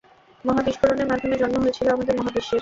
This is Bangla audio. মহাবিস্ফোরণের মাধ্যমে জন্ম হয়েছিল আমাদের মহাবিশ্বের।